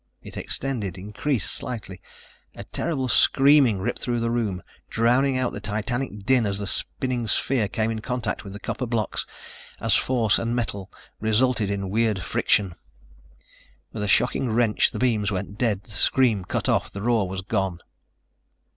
It extended, increased slightly. A terrible screaming ripped through the room, drowning out the titanic din as the spinning sphere came in contact with the copper blocks, as force and metal resulted in weird friction. With a shocking wrench the beams went dead, the scream cut off, the roar was gone.